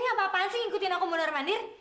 kakak ini apa apaan sih yang ikutin aku nurmanir